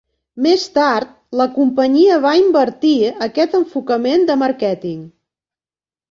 Més tard, la companyia va invertir aquest enfocament de màrqueting.